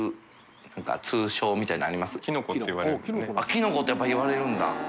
キノコってやっぱり言われるんだ。